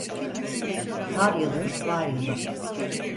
Kar yılı var yılı.